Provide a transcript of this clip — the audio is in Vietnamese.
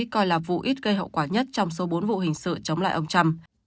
coi là vụ ít gây hậu quả nhất trong số bốn vụ hình sự chống lại ông trump